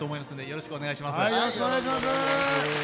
よろしくお願いします。